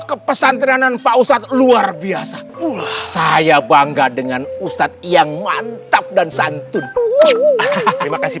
kepesantrenan pak ustadz luar biasa saya bangga dengan ustadz yang mantap dan santun pake si